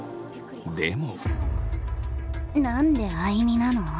でも。